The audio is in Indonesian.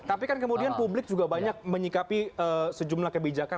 tapi kan kemudian publik juga banyak menyikapi sejumlah kebijakan